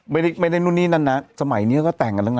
ไม่ได้นู่นนี่นั่นนะสมัยนี้ก็แต่งกันแล้วนะ